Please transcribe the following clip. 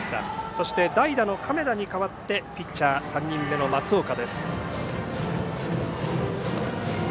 そして、代打の亀田に代わってピッチャー３人目の松岡です。